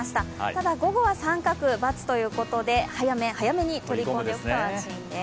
ただ、午後は△、×ということで早め早めに取り込む方がよさそうです。